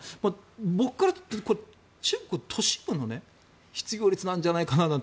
僕はこれは中国の都市部の失業率なんじゃないかって。